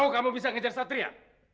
kamu bisa ngejar satria